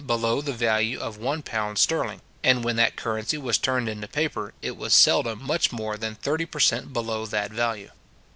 below the value of £1 sterling; and when that currency was turned into paper, it was seldom much more than thirty per cent. below that value.